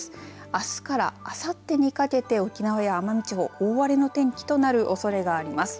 あすからあさってにかけて沖縄や奄美地方大荒れの天気となるおそれがあります。